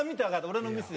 俺のミス。